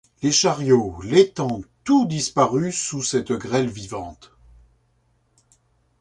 Les chariots, les tentes, tout disparut sous cette grêle vivante.